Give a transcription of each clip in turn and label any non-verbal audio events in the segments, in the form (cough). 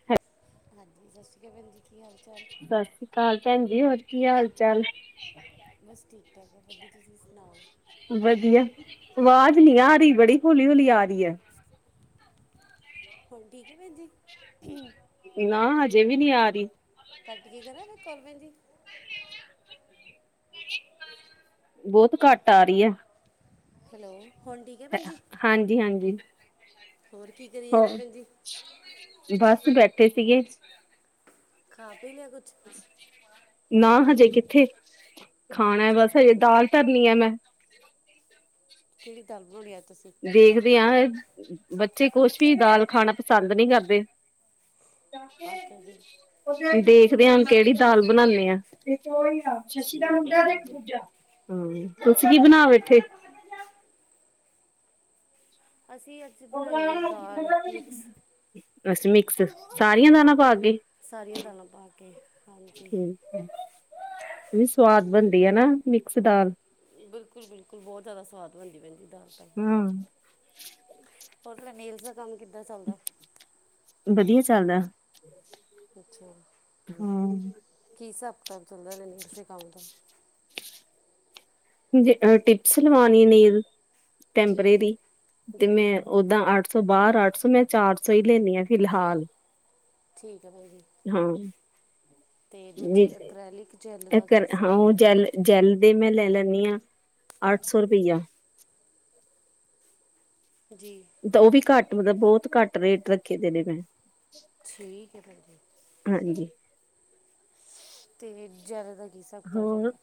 (inaudible) ਹਾਂਜੀ ਸਸ ਸ਼੍ਰੀ ਕਾਲ ਭੈਣ ਜੀ ਕੀ ਹਾਲ ਚਾਲ ਸਸ ਕਾਲ ਭੈਣ ਜੀ ਹੋਰ ਕੀ ਹਾਲ-ਚਾਲ? ਬਸ ਠੀਕ-ਠਾਕ ਆ (unintelligible) ਤੁਸੀਂ ਸੁਣਾਓ? ਵਧੀਆ ਆਵਾਜ਼ ਨੀ ਆਰੀ ਬੜੀ ਹੌਲੀ-ਹੌਲੀ ਆਰੀ ਐ। ਹੁਣ ਠੀਕ ਐ ਭੈਣਜੀ। ਕੀ ਨਾ ਹਜੇ ਵੀ ਨੀ ਆਰੀ। ਕੱਟ ਕੇ ਕਰਾਂ ਫਿਰ ਕੋਲ ਭੈਣਜੀ। ਬੋਤ ਘੱਟ ਆਰੀ ਐ। ਹੈਲੋ। ਹੁਣ ਠੀਕ ਐ ਭੈਣਜੀ ਹਾਂਜੀ ਹਾਂਜੀ ਹੋਰ ਕੀ ਕਰੀ ਹੋਰ ਜਾਂਦੇ ਭੈਣਜੀ। ਬਸ ਬੈਠੇ ਸੀਗੇ। ਖਾ-ਪੀ ਲਿਆ ਕੁਛ? ਨਾ ਹਜੇ ਕਿੱਥੇ ਖਾਣਾ ਅੱਛਾ ਬਸ ਹਜੇ ਦਾਲ ਧਰਨੀ ਐ ਮੈਂ। ਕੇੜੀ ਦਾਲ ਬਣੋਣੀ ਅੱਜ ਤੁਸੀਂ? ਦੇਖਦੇ ਆ ਬੱਚੇ ਕੁਛ ਵੀ ਦਾਲ ਖਾਣਾ ਪਸੰਦ ਨੀ ਕਰਦੇ। (inaudible) ਅੱਛਾ ਜੀ ਦੇਖਦੇ ਆ ਹੁਣ ਕੇੜੀ ਦਾਲ ਬਣਾਨੇ ਆ। ਠੀਕ ਹੈ ਭੈਣ ਜੀ ਹੂੰ ਤੁਸੀਂ ਕੀ ਬਣਾ ਬੈਠੇ? ਅਸੀਂ ਅੱਜ ਬਣਾਈ ਐ ਦਾਲ ਮਿਕਸ। ਅੱਸੀ ਮਿਕਸ ਸਾਰੀਆਂ ਦਾਨਾਂ ਪਾ ਕੇ? ਸਾਰੀਆਂ ਦਾਲਾਂ ਪਾ ਕੇ ਹਾਂਜੀ। ਠੀਕ ਵੀ ਸਵਾਦ ਬਣਦੀ ਏ ਨਾ ਮਿਕਸ ਦਾਲ। ਬਿਲਕੁੱਲ-ਬਿਲਕੁੱਲ ਬੋਤ ਜਾਦਾ ਸਵਾਦ ਬਣਦੀ ਭੈਣਜੀ। (inaudible) ਹੋਰ ਤੁਹਾਡੇ ਨੇਲਸ ਦਾ ਕੰਮ ਕਿੱਦਾਂ ਚੱਲਦਾ? ਵਧੀਆ ਚੱਲਦਾ। ਅੱਛਾ ਹਾਂ ਕੀ ਹਿਸਾਬ-ਕਿਤਾਬ ਚੱਲਦਾ ਨੇਲਸਨ ਦੇ ਕੰਮ ਦਾ। ਜੇ ਅ ਟਿਪਸ ਲਵਾਨੀ ਏ ਨੇਲ ਜੀ ਟੈਂਪਰੇਰੀ ਤੇ ਜੀ ਮੈਂ ਓਦਾਂ ਅੱਠ ਸੌ ਬਾਰ ਅੱਠ ਸੌ ਮੈਂ ਚਾਰ ਸੌ ਈ ਲੈਨੀ ਆ ਫਿਲਹਾਲ। ਠੀਕ ਐ ਬਾਈ ਜੀ। ਹਾਂ ਅਤੇ ਜੀ ਦੂਜੇ ਅਕ੍ਰੈਲਿਕ ਜੈੱਲ ਦਾ ਕੀ ਇੱਕਰ ਹਿਸਾਬ ਹਾਂ ਓ ਕਿਤਾਬ ਜੈਲ ਜੈਲ ਦੇ ਮੈਂ ਲੈ ਲੈਂਨੀ ਆ ਅੱਠ ਸੌ ਰੁਪਈਆ। ਜੀ। ਦ ਓ ਵੀ ਘੱਟ ਮਤਲਬ ਬੋਤ ਘੱਟ ਰੇਟ ਰੱਖੇ ਦੇ ਨੇ ਮੈਂ। ਠੀਕ ਐ ਭੈਣਜੀ। ਹਾਂਜੀ। ਤੇ ਜੈਲ ਦਾ ਕੀ ਹਿਸਾਬ ਕਿਤਾਬ ਹੋਰ ਚੱਲਦਾ।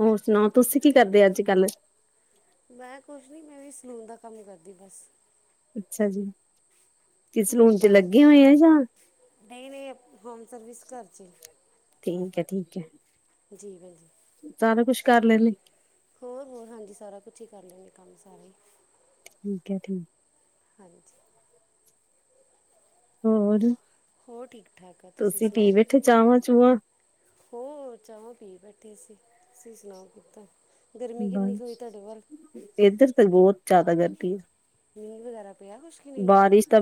ਹੋਰ ਸੁਣਾਓ ਤੁਸੀਂ ਕੀ ਕਰਦੇ ਅੱਜ ਕੱਲ? ਮੈਂ ਕੁਛ ਨੀ ਮੈਂ ਵੀ ਸਲੂਨ ਦਾ ਕੰਮ ਹੀ ਕਰਦੀ ਬਸ। ਅੱਛਾ ਜੀ। ਕਿਸ ਸਲੂਨ ਚ ਹਾਂਜੀ ਭੈਣ ਜੀ, ਲੱਗੇ ਹੋਏ ਆ ਜਾਂ ਨਹੀਂ, ਨਹੀਂ ਹੋਮ ਸਰਵਿਸ ਘਰ ਚ ਹੀ। ਠੀਕ ਏ, ਠੀਕ ਏ ਜੀ ਭੈਣਜੀ। ਸਾਰਾ ਕੁਛ ਕਰ ਲੈਨੇ ਹੋਰ, ਹੋਰ ਹਾਂਜੀ ਸਾਰਾ ਕੁਛ ਹੀ ਕਰ ਲੈਂਨੀ ਆ ਕੰਮ ਸਾਰਾ ਈ। ਠੀਕ ਹੈ ਠੀਕ। ਹਾਂਜੀ। ਹੋਰ, ਹੋਰ ਠੀਕ ਠਾਕ ਆ ਤੁਸੀਂ ਪੀ ਸੁਣਾਓ ਬੈਠੇ ਚਾਵਾਂ ਚੂਵਾਂ। ਹੋਰ, ਚਾਵਾਂ ਪੀ ਬੈਠੇ ਅਸੀਂ ਤੁਸੀਂ ਸੁਣਾਓ ਕਿਦਾ ਗਰਮੀ ਕਿੰਨੀ ਕੁ ਹੋਈ ਬਸ ਤੁਹਾਡੇ ਵੱਲ? ਇੱਧਰ ਤੇ ਬਹੁਤ ਜ਼ਿਆਦਾ ਗਰਮੀ ਆ। ਮੀਂਹ ਵਗੈਰਾ ਪਿਆ ਕੁਛ? ਕਿ ਨਹੀਂ ਬਾਰਿਸ਼ ਤਾਂ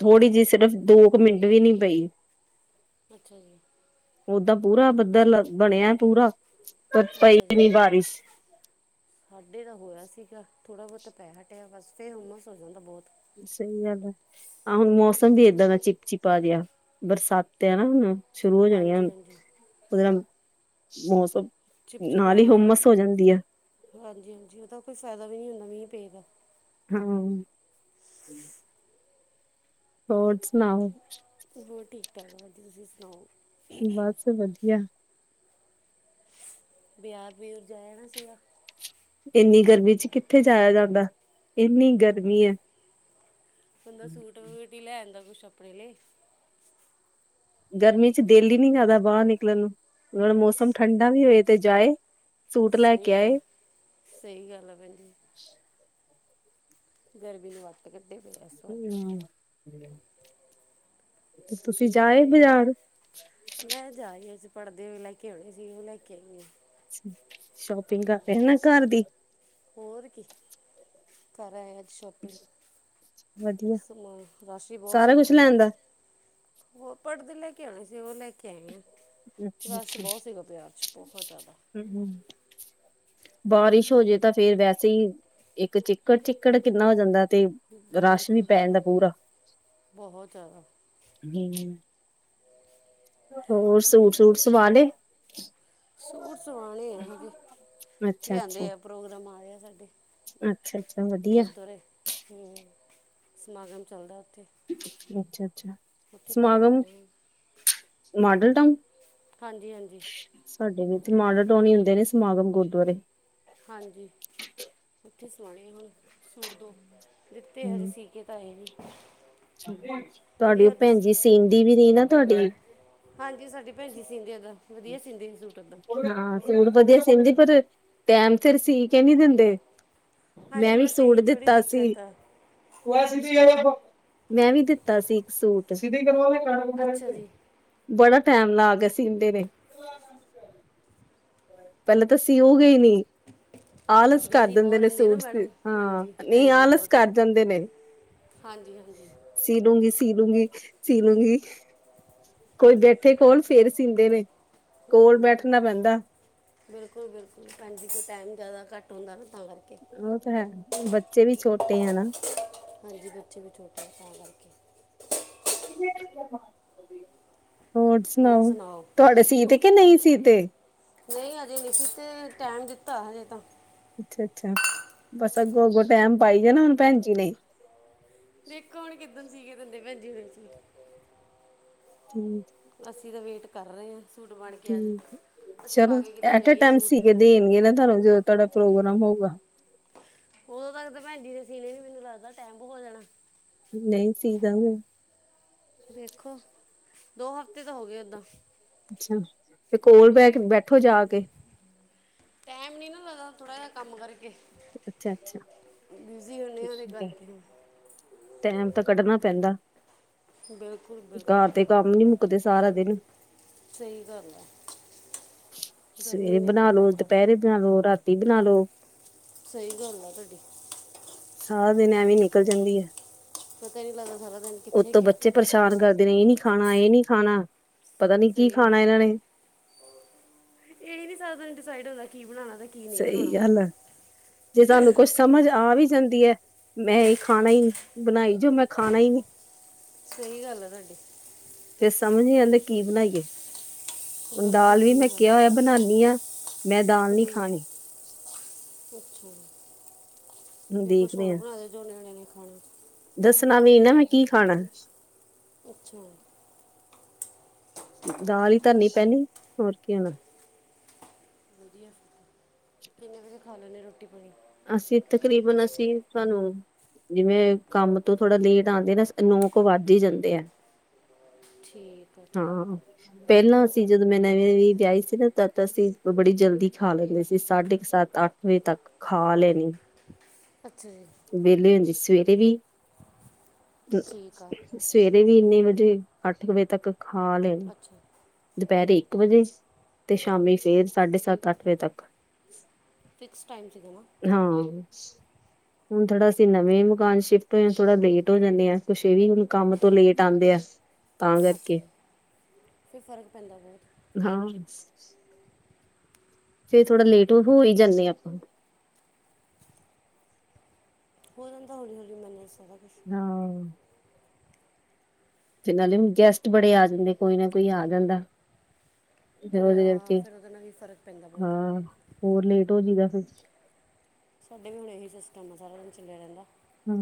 ਥੋੜ੍ਹੀ ਜਿਹੀ ਸਿਰਫ਼ ਦੋ ਕੁ ਮਿੰਟ ਵੀ ਨੀ ਪਈ। ਅੱਛਾ ਜੀ। ਓਦਾਂ ਪੂਰਾ ਬੱਦਲ ਬਣਿਆ ਪੂਰਾ ਪਰ ਪਈ ਅੱਛਾ ਜੀ ਨੀ ਬਾਰਿਸ਼। ਸਾਡੇ ਤਾਂ ਹੋਇਆ ਸੀਗਾ ਥੋੜਾ ਬਹੁਤਾ ਪੈ ਹਟਿਆ ਬਸ ਫਿਰ ਹੂੰਮਸ ਹੋ ਜਾਂਦਾ ਬਹੁਤ। ਸਹੀ ਗੱਲ ਹੈ। ਆਹ ਹੁਣ ਮੌਸਮ ਵੀ ਏਦਾਂ ਦਾ ਚਿਪਚਿਪਾ ਜਿਆ ਬਰਸਾਤ ਆ ਨਾ ਹੁਣ। ਸ਼ੁਰੂ ਹੋ ਜਾਣੀਆਂ ਹਾਂਜੀ ਹੁਨ ਹਾਂਜੀ ੳਦੇ ਨਾਲ ਮੌਸਮ ਚਿਪਂਚਿਪਾ ਨਾਲ ਹੀ ਹਾਂਜੀ, ਹੁਮਸ ਹੋ ਜਾਂਦੀ ਆ ਹਾਂਜੀ, ਹਾਂਜੀ ਉਹਦਾ ਕੋਈ ਫਾਇਦਾ ਵੀ ਨਹੀਂ ਹੁੰਦਾ ਮੀਂਹ ਪਏਦਾ ਹਾਂ। ਹੋਰ ਸੁਣਾਓ ਕੁਛ ਹੋਰ ਠੀਕ ਠਾਕ, ਵਧੀਆ ਤੁਸੀਂ ਸੁਣਾਓ? ਬਸ ਵਧੀਆ। ਬਿਆਰ ਬਊਰ ਜਾ ਆਣਾ ਸੀਗਾ। ਏਨੀ ਗਰਮੀ ਚ ਕਿੱਥੇ ਜਾਇਆ ਜਾਂਦਾ ਏਨੀ ਗਰਮੀ ਏ। ਬੰਦਾ ਸੂਟ ਵੂਟ ਹੀ ਲੈ ਆਦਾ ਕੁਛ ਆਪਣੇ ਲਏ। ਗਰਮੀ ਚ ਦਿਲ ਹੀ ਨਹੀਂ ਕਰਦਾ ਬਾਹਰ ਨਿਕਲਣ ਨੂੰ ਥੋੜਾ ਮੌਸਮ ਸਹੀ ਠੰਡਾ ਵੀ ਹੋਏ ਤੇ ਜਾਏ। ਸੂਟ ਲੈ ਸਹੀ ਕੇ ਆਏ। ਗੱਲ, ਸਹੀ ਗੱਲ ਐ ਭੈਣਜੀ। ਗਰਮੀ ਨੇ ਵੱਟ ਕੱਢੇ ਪਏ ਆ ਇਸ ਵਾਰ ਹੂੰ। ਨਈ ਤੇ ਤੁਸੀਂ ਜਾ ਆਏ ਬਜ਼ਾਰ ਮੈਂ ਜਾਈ ਰਈ ਸੀ ਪੜ੍ਹਦੇ ਲੈ ਕੇ ਆਉਣੇ ਸੀ ਉਹ ਲੈ ਕੇ ਆਣੇ ਹਾਂ ਸ਼ੋਪਿੰਗ ਕਰ ਰਹੇ ਨਾ ਘਰ ਦੀ ਹੋਰ ਕੀ ਕਰ ਆਏ ਅੱਜ ਸ਼ਾਪਿੰਗ ਵਧੀਆ ਤੇ ਸਮਾਂ ਰਸ਼ ਹੀ ਬਹੁਤ ਸਾਰਾ ਸੀਗਾ ਕੁਛ ਵਿਆਹ ਚ ਲੈਂਦਾ। ਉਹ ਪੜ੍ਹਦੇ ਲੈ ਕੇ ਆਉਣੇ ਸੀ ਉਹ ਲੈ ਕੇ ਕੇ ਆਈ ਹਾਂ ਰਸ਼ ਬਹੁਤ ਸੀਗਾ ਬਾਜ਼ਾਰ 'ਚ ਬਹੁਤ ਜ਼ਿਆਦਾ ਹੂੰ ਹੂੰ ਬਾਰਿਸ਼ ਹੋ ਜੇ ਤਾਂ ਫੇਰ ਵੈਸੇ ਹੀ ਇੱਕ ਚਿੱਕੜ ਚਿੱਕੜ ਕਿੰਨਾ ਹੋ ਜਾਂਦਾ ਤੇ ਰਸ਼ ਵੀ ਬਿਲਕੁਲ ਪੈ ਬਿਲਕੁਲ ਜਾਂਦਾ ਪੂਰਾ ਬਹੁਤ ਜ਼ਿਆਦਾ ਹੂੰ ਹੋਰ ਸੂਟ- ਸੂਟ ਸਵਾ ਲੇ? ਸੂਟ ਸਵਾਣੇ ਆ ਅਜੇ, ਅੱਛਾ ਅੱਛਾ ਲਿਆਂਦੇ ਆ, ਪ੍ਰੋਗਰਾਮ ਆਇਆ ਸਾਡੇ। ਅੱਛਾ ਅੱਛਾ ਵਧੀਆ ਗੁਰਦੁਆਰੇ, ਹਮ ਸਮਾਗਮ ਚੱਲਦਾ ਉੱਥੇ। ਅੱਛਾ -ਅੱਛਾ ਉੱਥੇ ਪਾ ਕੇ ਸਮਾਗਮ, ਜਾਣੇ ਆ ਮਾਡਲ ਟਾਊਨ। ਹਾਂਜੀ- ਹਾਂਜੀ! ਸਾਡੇ ਵੀ ਇਥੇ ਮਾਡਲ ਟਾਉਨ ਹੁੰਦੇ ਨੇ, ਸਮਾਗਮ ਗੁਰਦੁਆਰੇ। ਹਾਂਜੀ, ਉੱਥੇ ਸਵਾਣੇ ਹੁਣ ਸੂਟ ਦੋ, ਦਿੱਤੇ ਹਜੇ ਹੂੰ, ਅਸੀ। ਇਹ ਤਾਂ ਹੈ ਨਹੀਂ। ਤੁਹਾਡੀ ਉਹ ਵਧੀਆ ਭੈਣ ਜੀ ਦੱਸੀ ਸੀਂਦੀ ਵੀ ਨਹੀਂ ਨਾ ਤੁਹਾਡੀ। ਹਾਂਜੀ ਸਾਡੇ ਭੈਣ ਜੀ ਸੀਂਦੀ ਆ ਵਧੀਆ ਸੀਦੀ ਆ ਸੂਟ। ਹਾਂ, ਸੂਟ ਵਧੀਆ ਸੀਂਦੀ, ਪਰ ਟੈਮ ਸਿਰ ਸੀ ਕੇ ਨਹੀ ਦਿੰਦੇ। ਮੈਂ ਹਾਂਜੀ ਵੀ ਬਸ ਸੂਟ ਇਹੀ ਥੋੜੀ ਦਿੱਤਾ ਸੀ। ਦਿੱਕਤ ਆ ਮੈਂ ਵੀ ਦਿੱਤਾ ਸੀ ਇੱਕ ਸੂਟ। ਅੱਛਾ ਜੀ ਬੜਾ ਟੈਮ ਲਾਕੇ ਸੀਂਦੇ ਨੇ। ਪਹਿਲਾਂ ਤਾਂ ਸੀਂਓ ਗਏ ਨੀ। ਆਲਸ ਕਰ ਬਿਜ਼ੀ ਦਿੰਦੇ ਬਹੁਤ ਨੇ ਰਹਿੰਦੇ ਨਾ ਸੂਟ ਮੈਡਮ ਹਾਂ, ਹਾਂਜੀ ਭੈਣ ਨਹੀਂ ਜੀ ਆਲਸ ਬਹੁਤ ਕਰ ਜਾਂਦੇ ਨੇ। ਹਾਂਜੀ -ਹਾਂਜੀ! ਸੀ ਡੂੰਗੀ -ਸੀ ਡੂੰਗੀ -ਸੀ ਲੂੰਗੀ! ਕੋਈ ਬੈਠੇ ਕੋਲ ਫੇਰ ਸੀਂਦੇ ਨੇ, ਕੋਲ ਬੈਠਣਾ ਪੈਂਦਾ। ਬਿਲਕੁਲ- ਬਿਲਕੁਲ ਭੈਣਜੀ, ਤਾਂ ਟਾਈਮ ਜ਼ਿਆਦਾ ਘੱਟ ਹੁੰਦਾ ਨਾ ਤਾਂ ਕਰਕੇ। ਉਹ ਤਾਂ ਹੈ, ਬੱਚੇ ਵੀ ਛੋਟੇ ਹੈ ਨਾ। ਹਾਂਜੀ, ਬੱਚੇ ਵੀ ਛੋਟੇ ਤਾਂ ਕਰਕੇ। ਹਮ (unintelligible) ਹੋਰ ਸੁਣਾਓ,? ਤੁਹਾਡੇ ਸੀ ਤੇ ਕਿ ਨਹੀਂ ਸੀਤੇ? ਨਹੀਂ, ਹਜੇ ਨਹੀਂ ਸੀ ਤੇ ਟਾਈਮ ਦਿੱਤਾ ਹਜੇ ਤਾਂ। ਅੱਛਾ -ਅੱਛਾ ਬਸ ਅੱਗੋਂ -ਅੱਗੋਂ ਟੈਮ ਪਾਈ ਜਾਣਾ ਹੁਣ ਭੈਣ ਜੀ ਨੇ। ਦੇਖੋ, ਹੁਣ ਕਿੱਦਣ ਸੀ ਕੇ ਦਿੰਦੇ ਭੈਣਜੀ ਸੂਟ। ਹਮ। ਅਸੀਂ ਤਾਂ ਵੇਟ ਕਰ ਰਹੇ ਹਾਂ, ਸੂਟ ਬਣ ਕੇ ਆਜੇ, ਠੀਕ ਅਸੀਂ ਪਾ ਚਲੋ ਕੇ ਕਿਤੇ ਐਟ ਅ ਜਾਈਏ ਟਾਈਮ ਸੂਟ। ਸੀ ਕੇ ਦੇਣਗੇ ਨਾ ਤੁਹਾਨੂੰ ਜਦੋਂ ਤੁਹਾਡਾ ਪ੍ਰੋਗਰਾਮ ਹੋਊਗਾ। ਉਦੋਂ ਤੱਕ ਤਾਂ ਭੈਣਜੀ ਦੇ ਸੀਣੇ ਨੀ, ਮੈਨੂੰ ਲੱਗਦਾ ਟਾਈਮ ਹੋ ਜਾਣਾ। ਨਹੀਂ ਸੀ ਦੇਣਗੇ। ਦੇਖੋ ਦੋ ਹਫ਼ਤੇ ਤਾਂ ਹੋ ਗਏ ਓਦਾਂ। ਅੱਛਾ, ਤੇ ਕੋਲ ਬੈ ਬੈਠੋ ਜਾ ਕੇ। ਟਾਈਮ ਨਹੀਂ ਨਾ ਲੱਗਦਾ, ਥੋੜਾ ਜਿਹਾ ਕੰਮ ਕਰਕੇ। ਅੱਛਾ ਅੱਛਾ ਬਿਜ਼ੀ ਹੁੰਦੇ ਹਾਂ ਉਹਦੇ ਠੀਕ ਹੈ ਕਰਕੇ। ਟੈਮ ਤਾਂ ਕੱਢਣਾ ਪੈਂਦਾ, ਬਿਲਕੁਲ ਬਿਲਕੁਲ ਘਰ ਦੇ ਕੰਮ ਨੀ ਮੁੱਕਦੇ ਸਾਰਾ ਦਿਨ। ਸਹੀ ਗੱਲ ਹੈ, ਗਰਮੀ ਸਵੇਰੇ ਨੇ ਤਾਂ ਬਣਾ ਲੋ ਤੁਰਦਾ ਪਰ। ਦੁਪਹਿਰੇ ਬਣਾ ਲੋ ਰਾਤੀ ਬਣਾ ਲੋ। ਸਹੀ ਗੱਲ ਆ ਤੁਹਾਡੀ। ਸਾਰਾ ਦਿਨ ਐਵੇਂ ਨਿਕਲ ਜਾਂਦੀ ਹੈ। ਪਤਾ ਨਹੀਂ ਲੱਗਦਾ ਸਾਰਾ ਦਿਨ ਕਿੱਥੇ ਉਤੋਂ ਗਿਆ? ਬੱਚੇ ਪਰੇਸ਼ਾਨ ਕਰਦੇ ਨੇ, ਇਹ ਨੀ ਖਾਣਾ, ਇਹ ਨੀ ਖਾਣਾ, ਪਤਾ ਨੀ ਕੀ ਖਾਣਾ ਇਹਨਾਂ ਨੇ। ਇਹੀ ਨੀ ਸਾਰਾ ਦਿਨ ਡਿਸਾਈਡ ਹੁੰਦਾ ਕੀ ਬਣਾਉਣਾ ਤਾਂ। ਸਹੀ ਗੱਲ ਹੈ, ਜੇ ਤੁਹਾਨੂੰ ਕੁੱਛ ਸਮਝ ਆ ਵੀ ਜਾਂਦੀ ਐ ਮੈਂ ਏ ਖਾਣਾ ਨੀ ਬਣਾਈ ਜੋ ਮੈਂ ਖਾਣਾ ਈ ਨੀ। ਸਈ ਗੱਲ ਆ ਤੁਹਾਡੀ। ਫਿਰ ਸਮਝ ਨੀ ਆਂਦਾ ਕੀ ਬਣਾਈਏ ਬਿਲਕੁਲ ਦਾਲ ਵੀ ਸਹੀ ਮੈਂ ਕਿਆ ਗੱਲ ਹੋਇਆ ਬਣਾਨੀ ਆ ਮੈਂ ਦਾਲ ਨੀ ਜੀ ਖਾਣੀ। ਅੱਛਾ ਹੁਣ ਫੇ ਕੁਛ ਦੇਖਦੇ ਹੋਰ ਹਾਂ ਬਣਾ ਦੇ ਜੋ ਨਿਆਣੇ ਨੇ ਖਾਣੇ। ਦੱਸਣਾ ਵੀ ਨਾ ਮੈਂ ਕੀ ਖਾਣਾ। ਅੱਛਾ। ਦਾਲ ਈ ਧਰਨੀ ਪੈਣੀ ਹੋਰ ਕੀ (unintelligible) ਵਧੀਆ ਕਿੰਨੇ ਵਜੇ ਖਾ ਲੈਂਦੇ ਰੋਟੀ ਪਾਣੀ? ਅਸੀਂ ਤਕਰੀਬਨ ਅਸੀਂ ਸਾਨੂੰ ਜਿਵੇਂ ਕੰਮ ਤੋਂ ਥੋੜਾ ਲੇਟ ਆਂਦੇ ਨਾ ਨੌ ਕ ਵੱਧ ਈ ਜਾਂਦੇ ਐ। ਠੀਕ ਆ ਠੀਕ ਆ ਹਾਂ। ਪੈਲਾਂ ਅਸੀਂ ਜਦੋਂ ਮੈਂ ਨਵੀ ਵੀ ਵਿਆਹੀ ਸੀ ਨਾ ਤਾਂ ਅਸੀਂ ਬੜੀ ਜਲਦੀ ਖਾ ਲੈਂਦੇ ਸੀ ਸਾਢੇ ਕ ਸੱਤ ਅੱ ਵੇ ਤੱਕ ਖਾ ਲੈਣੀ। ਅੱਛਾ ਜੀ। ਵੇਲੇ ਹੁੰਦੀ ਸਵੇਰੇ ਵੀ ਠੀਕ ਆ ਸਵੇਰੇ ਵੀ ਇੰਨੇ ਵਜੇ ਅੱਠ ਵਜੇ ਤੱਕ ਖਾ ਲੈਣੀ। ਅੱਛਾ ਦੁਪੈਰੇ ਇੱਕ ਵਜੇ ਤੇ ਸ਼ਾਮੀ ਫੇਰ ਸਾਢੇ ਸੱਤ ਅੱਠ ਵਜੇ ਤੱਕ। ਫਿਕਸ ਟਾਈਮ ਸੀਗਾ ਨਾ ਹਾਂ। (inaudible) ਹੁਣ ਥੋੜਾ ਅਸੀਂ ਨਵੇਂ ਮਕਾਨ ਸ਼ਿਫਟ ਹੋਏ ਆ ਥੋੜਾ ਲੇਟ ਹੋ ਜਾਂਨੇ ਆ ਕੁਸ਼ ਏ ਵੀ ਹੁਣ ਕੰਮ ਤੋਂ ਲੇਟ ਆਂਦੇ ਆ ਤਾਂ ਅੱਛਾ ਕਰਕੇ ਜੀ ਫੇਰ ਫ਼ਰਕ ਪੈਂਦਾ ਬੋਤ। ਹਾਂ। ਫੇਰ ਥੋੜਾ ਲੇਟ ਹੋ ਈ ਜਾਂਨੇ ਆਪਾਂ। ਹੋ ਜਾਂਦਾ ਹੌਲੀ-ਹੌਲੀ ਮੈਨੇਜ ਸਾਰਾ ਕੁਛ। ਹਾਂ। ਫੇ ਨਾਲੇ ਗੈਸਟ ਬੜੇ ਆ ਜਾਂਦੇ ਕੋਈ ਨਾ ਕੋਈ ਆ ਜਾਂਦਾ। ਫਿਰ ਓਦੇ ਤੁਰਿਆ ਕਰਕੇ ਫਿਰ ਉਹਦੇ ਨਾਲ ਵੀ ਫਰਕ ਪੈਂਦਾ ਬਹੁਤ ਹਾਂ ਹੋਰ ਲੇਟ ਹੋ ਜੀਦਾ ਫੇਰ। ਸਾਡੇ ਵੀ ਹੁਣ ਰਹੀ ਸਿਸਟਮ ਆ ਸਾਰਾ ਦਿਨ ਚੱਲਿਆ ਰੈਂਦਾ। ਹੂੰ।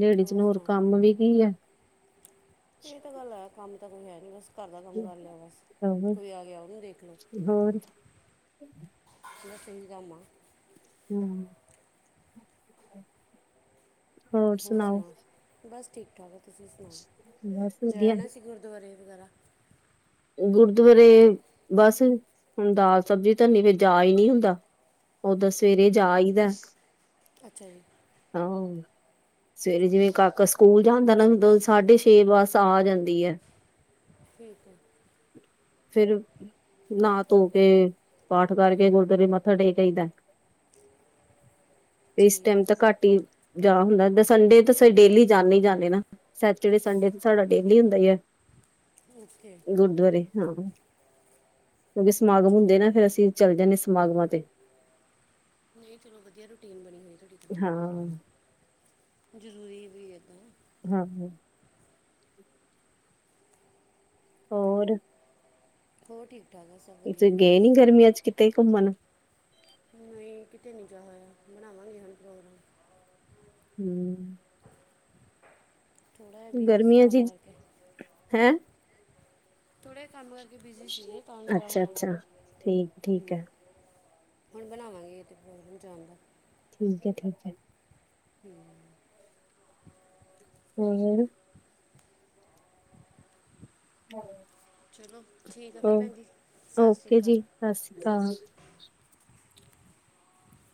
ਲੇਡੀਜ਼ ਨੂੰ ਹੋਰ ਕੰਮ ਵੀ ਕੀ ਐ। ਏ ਤਾਂ ਗੱਲ ਹੈ ਕੰਮ ਤਾਂ ਕੋਈ ਹੈ ਨੀ ਬਸ ਘਰ ਦਾ ਕੰਮ ਕਰ ਲਿਆ ਬਸ ਕੋਈ ਆ ਗਿਆ ਉਨੂੰ ਦੇਖ ਲਓ (unintelligible) ਹੋਰ ਗਾ। ਹੂੰ। ਹੋਰ ਸੁਣਾ ਬਸ ਠੀਕ ਠਾਕ ਆ ਤੁਸੀਂ ਬਸ ਸੁਣਾਓ ਜਾਏ ਵਧੀਆ। ਆਣਾ ਸੀ ਗੁਰਦੁਆਰੇ ਵਗੈਰਾ ਗੁਰਦੁਆਰੇ ਬਸ ਹੁਣ ਦਾਲ ਸਬਜ਼ੀ ਧਨੀ ਫੇਰ ਜਾ ਈ ਨੀ ਹੁੰਦਾ। ਓਦਾਂ ਸਵੇਰੇ ਜਾ ਆਈਦੈ। ਅੱਛਾ ਜੀ। ਹਾਂ ਸਵੇਰੇ ਚਲੋ ਜਿਵੇਂ ਫਿਰ ਤਾਂ। ਕਾਕਸ ਕੂਲ ਜਾਂਦਾ ਨਾ ਦ ਸਾਢੇ ਛੇ ਬਸ ਆ ਜਾਂਦੀ ਐ। ਠੀਕ ਐ। ਫੇਰ ਨਾ ਧੋ ਕੇ, ਪਾਠ ਕਰਕੇ ਗੁਰੁਆਰੇ ਮੱਥਾ ਟੇਕ ਆਈਦੈ। ਇਸ ਟੈਮ ਠੀਕ ਹੈ ਤਾਂ ਘੱਟ ਈ ਜਾ ਹੁੰਦਾ ਦ ਸੰਡੇ ਤੇ ਫੇਰ ਡੇਲੀ ਜਾਂਨੇ ਈ ਜਾਂਨੇ ਨਾ। ਸੈਚਰਡੇ, ਸੰਡੇ ਤੇ ਸਾਡਾ ਡੇਲੀ ਹੁੰਦਾ ਈ ਆ। ਓਕੇ। ਗੁਰਦਵਰੇ ਹਾਂ ਕਿਉਂਕਿ ਸਮਾਗਮ ਚਲੋ ਹੁੰਦੇ ਨਾ, ਫੇਰ ਅਸੀਂ ਚੱਲ ਜਾਂਨੇ ਸਮਾਗਮਾਂ ਤੇ। ਨ‌ਈ ਚਲੋ ਵਧੀਆ ਰੂਟੀਨ ਬਣੀ ਹੋਈ ਤੁਆਡੀ ਤਾਂ। ਹਾਂ ਜ਼ਰੂਰੀ ਵੀ ਏ ਤਾਂ। ਹਾਂ -ਹਾਂ ਹੋਰ ਹੋਰ ਠੀਕ -ਠਾਕ ਆ ਸਭ। ਤੁਸੀਂ ਗਏ ਨੀ ਗਰਮੀਆਂ 'ਚ ਕਿਤੇ ਘੁੰਮਣ। ਨਈ ਕਿਤੇ ਨੀ ਜਾਏ ਹੋਇਆ, ਬਣਾਵਾਂਗੇ ਹੁਣ ਪ੍ਰੋਗਰਾਮ। ਹੂੰ ਥੋੜਾ ਜਿਹਾ ਬਿਜ਼ੀ ਸੀ ਗਰਮੀਆਂ ਕੰਮ ਚੀ ਕਰਕੇ ਹੈਂ। ਥੋੜ੍ਹੇ ਕੰਮ ਕਰਕੇ ਬਿਜੀ ਸੀਗੇ ਤਾ ਨੀ ਜਾ ਅੱਛਾ ਹੋਇਆ। ਅੱਛਾ ਠੀਕ ਠੀਕ ਹੂੰ ਹੈ ਹੁਣ ਬਣਾਵਾਂਗੇ ਏ ਤੇ ਪ੍ਰੋਗਰਾਮ ਜਾਣ ਦਾ। ਠੀਕ ਐ, ਠੀਕ ਐ। ਹੂੰ। ਹੋਰ ਚਲੋ ਠੀਕ ਆ ਫਿਰ ਹੋਰ ਭੈਣ ਜੀ ਸਤਿ ਸ਼੍ਰੀ ਓਕੇ ਅਕਾਲ ਜੀ, ਸਾਸਰੀ ਸਤਿ ਕਾਲ। ਸ਼੍ਰੀ ਅਕਾਲ